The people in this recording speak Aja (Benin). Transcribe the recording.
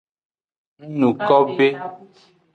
Ng nu ko be.